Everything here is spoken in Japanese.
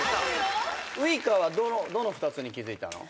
ウイカはどの２つに気付いたの？